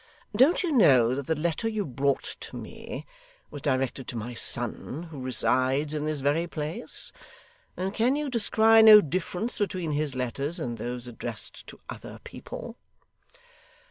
Don't you know that the letter you brought to me, was directed to my son who resides in this very place? And can you descry no difference between his letters and those addressed to other people?